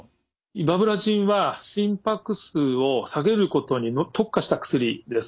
イバブラジンは心拍数を下げることに特化した薬です。